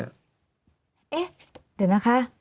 เอ๊ะเดี๋ยวนะคะ